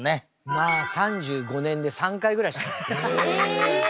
まあ３５年で３回ぐらいしかない。え！？